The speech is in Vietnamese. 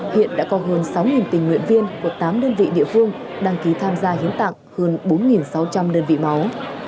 hiện đã có hơn sáu tình nguyện viên của tám đơn vị địa phương đăng ký tham gia hiến tặng hơn bốn sáu trăm linh đơn vị máu